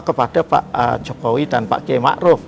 kepada pak jokowi dan pak giyai ma'ruf